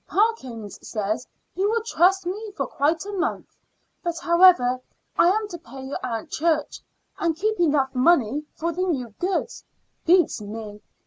Parkins says he will trust me for quite a month; but however I am to pay your Aunt Church, and keep enough money for the new goods, beats me.